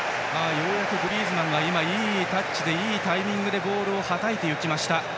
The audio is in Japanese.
ようやくグリーズマンがいいタッチでいいタイミングでボールをはたいていきました。